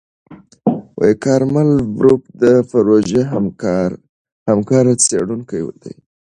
کارمل بروف د پروژې همکاره څېړونکې ده.